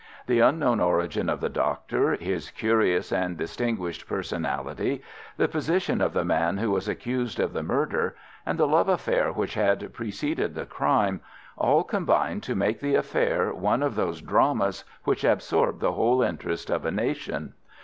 The unknown origin of the doctor, his curious and distinguished personality, the position of the man who was accused of the murder, and the love affair which had preceded the crime, all combined to make the affair one of those dramas which absorb the whole interest of a nation.